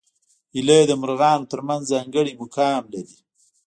هیلۍ د مرغانو تر منځ ځانګړی مقام لري